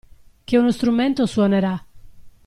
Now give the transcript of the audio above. Che uno strumento suonerà.